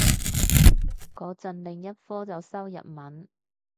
個陣另一科就修日文